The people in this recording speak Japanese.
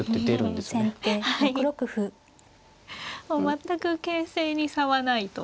全く形勢に差はないと。